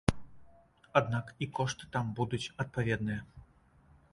Аднак і кошты там будуць адпаведныя.